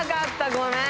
ごめん！